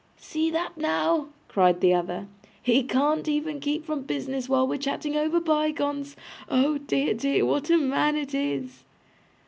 'See that now!' cried the other. 'He can't even keep from business while we're chatting over bygones. Oh dear, dear, what a man it is!